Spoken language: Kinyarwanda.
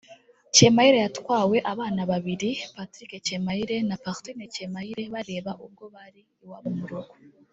Cyemayire yatwawe abana be babiri Patrick Cyemayire na Partine Cyemayire bareba ubwo bari iwabo mu rugo